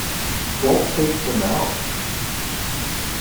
Don't take them out.